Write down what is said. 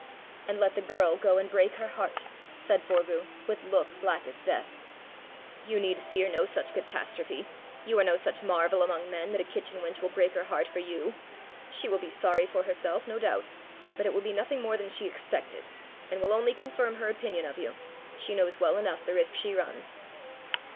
"And let the girl go and break her heart!" said Forgue, with look black as death. "You need fear no such catastrophe! You are no such marvel among men that a kitchen wench will break her heart for you. She will be sorry for herself, no doubt; but it will be nothing more than she expected, and will only confirm her opinion of you: she knows well enough the risk she runs!"